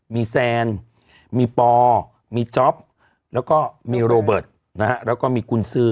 มีแซนมีปอมีจ๊อปแล้วก็มีโรเบิร์ตนะฮะแล้วก็มีกุญซือ